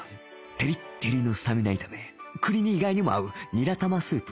テリッテリのスタミナ炒め栗に意外にも合うニラ玉スープ